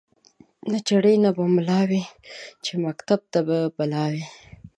نه چړي نه به مُلا وی چي مکتب ته به بلا وي